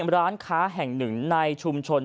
ร้านค้าแห่งหนึ่งในชุมชน